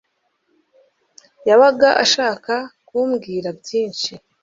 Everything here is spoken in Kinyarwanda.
yabaga ashaka kumbwira byinshi.